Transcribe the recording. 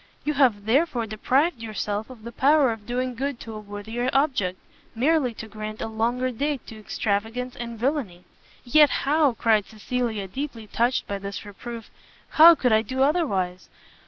You have therefore deprived yourself of the power of doing good to a worthier object, merely to grant a longer date to extravagance and villainy." "Yet how," cried Cecilia, deeply touched by this reproof, "how could I do otherwise!